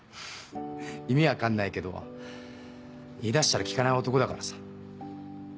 意味分かんないけど言い出したら聞かない男だからさ。